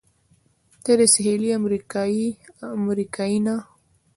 ته د سهېلي امریکا یې؟ نه.